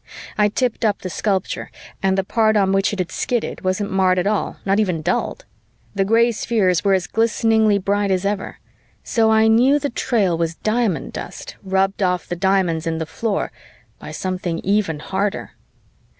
I tipped up the sculpture and the part on which it had skidded wasn't marred at all, not even dulled; the gray spheres were as glisteningly bright as ever. So I knew the trail was diamond dust rubbed off the diamonds in the floor by something even harder.